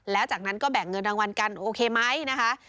แล้วจากนั้นก็แบ่งเงินรางวัลกันโอเคไหมนะคะ